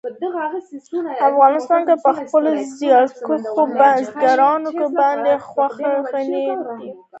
افغانستان په خپلو زیارکښو بزګانو باندې خورا غني دی.